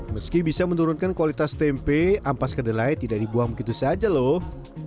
meski bisa menurunkan kualitas tempe ampas kedelai tidak dibuang begitu saja loh